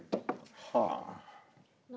はあ。